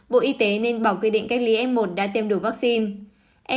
bộ y tế nên bỏ quy định cách ly f một đã tiêm đủ vaccine